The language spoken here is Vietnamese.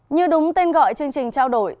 như đúng tên gọi chương trình trao đổi